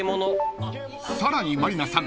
［さらに満里奈さん